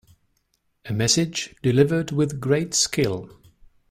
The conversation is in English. A message delivered with great skill.